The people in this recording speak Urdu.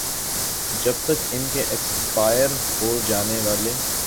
جب تک ان کے ایکسپائر ہوجانے والے